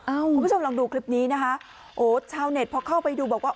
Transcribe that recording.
คุณผู้ชมลองดูคลิปนี้นะคะโอ้ชาวเน็ตพอเข้าไปดูบอกว่า